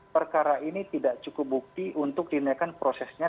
perkara ini tidak cukup bukti untuk dinaikkan prosesnya